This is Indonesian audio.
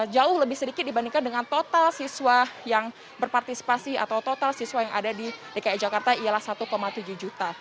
jauh lebih sedikit dibandingkan dengan total siswa yang berpartisipasi atau total siswa yang ada di dki jakarta ialah satu tujuh juta